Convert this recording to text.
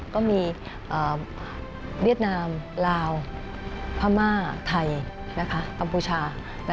เวียดนามลาวพม่าไทยกัมพูชา